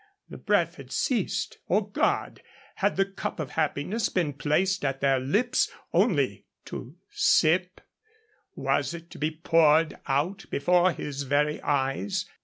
The breath had ceased. Oh, God! Had the cup of happiness been placed at their lips only to sip? Was it to be poured out before his very eyes?